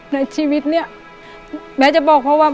ในชีวิตเนี่ยแม้จะบอกเพราะว่า